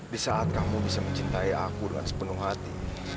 di saat kamu bisa mencintai aku dengan sepenuh hati